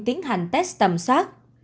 tiến hành test tầm soát